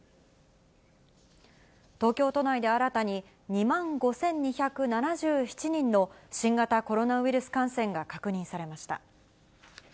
東京都内で新たに、２万５２７７人の新型コロナウイルス感染が確認されました。